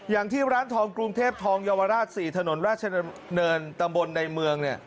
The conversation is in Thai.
อย่างที่ร้านทองกรุงเทพทองเยาวราช๔ถนนราชดำเนินตำบลในเมือง